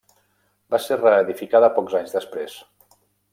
Va ser reedificada pocs anys després.